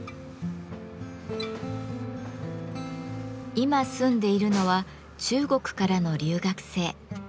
今住んでいるのは中国からの留学生。